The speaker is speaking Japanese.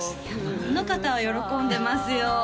ファンの方は喜んでますよ